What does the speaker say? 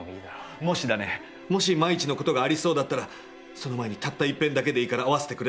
もし万一の事がありそうだったら、その前にたった一遍だけでいいから、逢わせてくれないか。